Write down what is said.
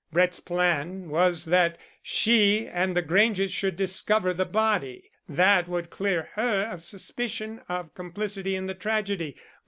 Brett's plan was that she and the Granges should discover the body. That would clear her of suspicion of complicity in the tragedy.